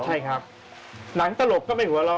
ใช่ครับหนังตระหลบไม่หัวร้อย